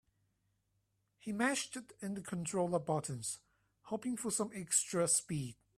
He mashed in the controller buttons, hoping for some extra speed.